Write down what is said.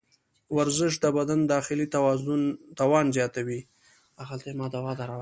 ورزش د بدن داخلي توان زیاتوي.